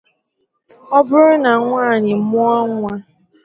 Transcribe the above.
Ọ bụrụ na nwanyị mụa nwa